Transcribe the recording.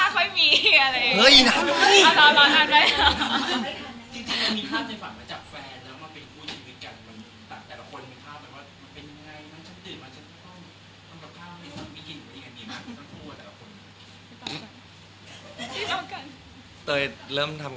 เป็นคุณแม่วัยสาวหรือเนอะ